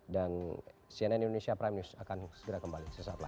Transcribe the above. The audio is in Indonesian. dan cnn indonesia prime news akan segera kembali sesaat lain